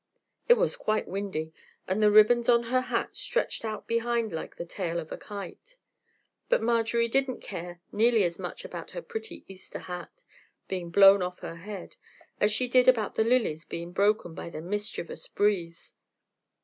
It was quite windy, and the ribbons on her hat stretched out behind like the tail of a kite, but Marjorie didn't care nearly as much about her pretty Easter hat being blown off her head as she did about the lilies being broken by the mischievous breeze.